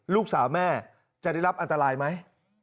ลูกสาวแม่จะได้รับอันตรายไหม